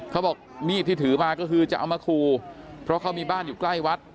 เขาบอกมีดที่ถือมาก็คือจะเอามาคู่เพราะเขามีบ้านอยู่ใกล้วัด